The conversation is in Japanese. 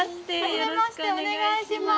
よろしくお願いします。